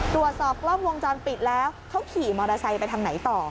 ตรวจสอบกล้องวงจรปิดแล้วเขาขี่มอเตอร์ไซค์ไปทางไหนต่อ